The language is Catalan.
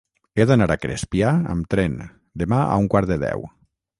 He d'anar a Crespià amb tren demà a un quart de deu.